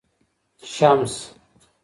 شمس